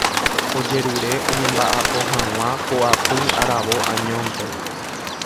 Ojerure oñemba'apo hag̃ua poapy aravo añónte.